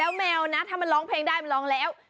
แล้วแมวนะถ้ามันร้องเพลงได้มันร้องแล้ว